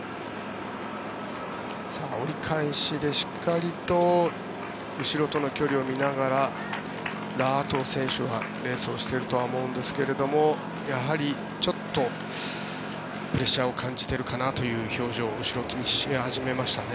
折り返しでしっかりと後ろとの距離を見ながらラ・アトウ選手はレースをしているとは思うんですがやはりちょっとプレッシャーを感じているかなという表情を後ろを気にし始めましたね。